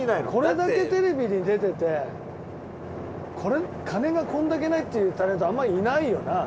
これだけテレビに出てて金がこんだけないっていうタレントあんまりいないよな。